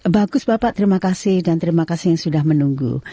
bagus bapak terima kasih dan terima kasih yang sudah menunggu